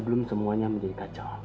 sebelum semuanya menjadi kacau